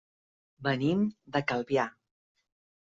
Venim de Calvià.